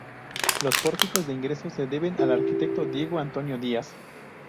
Los pórticos de ingreso se deben al arquitecto Diego Antonio Díaz.